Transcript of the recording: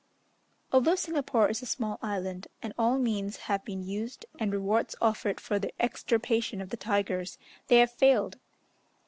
Although Singapore is a small island, and all means have been used and rewards offered for the extirpation of the tigers, they have failed.